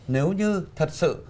nếu như thật sự